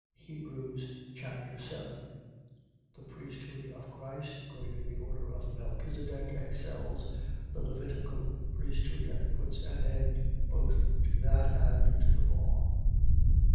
Hebrews Chapter 7 The priesthood of Christ according to the order of Melchisedech excels the Levitical priesthood and puts an end both to that and to the law.